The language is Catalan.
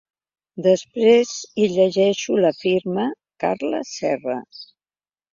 Després hi llegeixo la firma: Carla Serra.